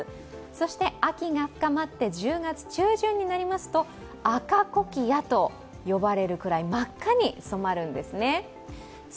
そして秋が深まって１０月中旬になりますと赤コキアと呼ばれるぐらい真っ赤に染まるんですね。